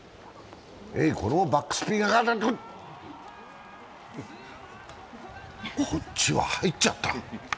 このバックスピンがこっちは入っちゃった。